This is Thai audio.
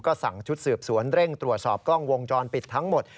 สั่งชุดสืบสวนเร่งตรวจสอบกล้องวงจรปิดทั้งหมด